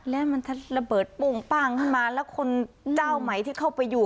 และมันระเบิดปุ้งป้างขึ้นมาแล้วคนเจ้าใหม่ที่เข้าไปอยู่